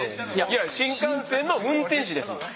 いや「新幹線の運転士」ですもん。